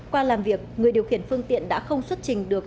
qua làm việc người điều khiển phương tiện đã không xuất trình được